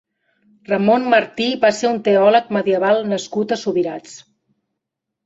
Ramon Martí va ser un teòleg medieval nascut a Subirats.